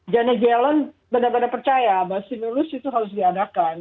jane gellen benar benar percaya bahwa stimulus itu harus diadakan